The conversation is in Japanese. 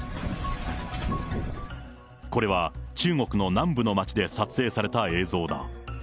これは中国の南部の町で撮影された映像だ。